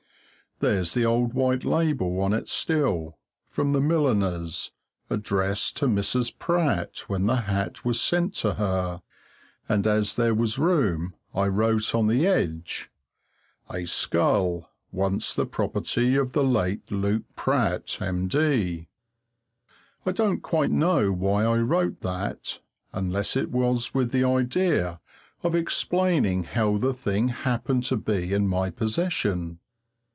There's the old white label on it still, from the milliner's, addressed to Mrs. Pratt when the hat was sent to her, and as there was room I wrote on the edge: "A skull, once the property of the late Luke Pratt, M.D." I don't quite know why I wrote that, unless it was with the idea of explaining how the thing happened to be in my possession.